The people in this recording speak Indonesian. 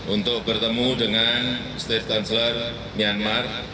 untuk bertemu dengan state councilor myanmar